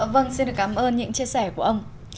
vâng xin được cảm ơn những chia sẻ của ông